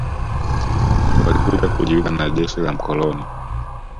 Walikuja kujiunga na jeshi la mkoloni